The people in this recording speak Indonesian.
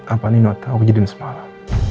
apa ini noter aku jadikan semalam